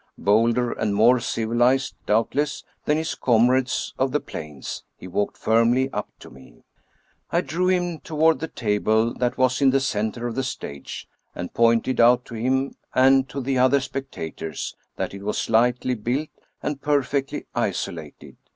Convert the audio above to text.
Bolder and more civilized, doubtless, than his comrades of the plains, he walked firmly up to me. I drew him toward the table that was in the center of the stage, and pointed out to him and to the other specta tors that it was slightly built and perfectly isolated.